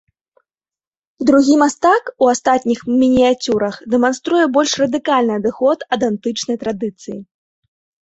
Другі мастак у астатніх мініяцюрах дэманструе больш радыкальны адыход ад антычнай традыцыі.